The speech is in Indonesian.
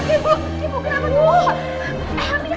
ibu ibu ibu kenapa